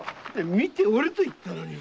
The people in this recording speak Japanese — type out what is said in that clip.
見ておれと言ったのに。